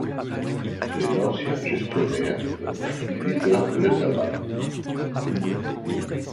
C'est l'ancien gestionnaire de Greater Letaba.